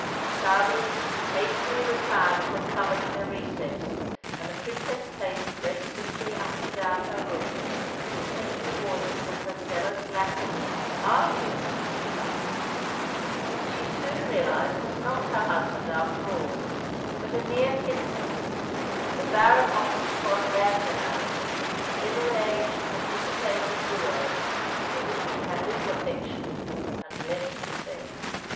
Octavian hastily retired to a cupboard in a recess; and the Princess paced restlessly up and down her room, listening to the voices of her zealous lackeys arguing with the newcomer, whom she soon realised was not her husband, after all, but a near kinsman, the Baron Ochs von Lerchenau, a middle aged and dissipated roué, for whom she had little affection and less respect.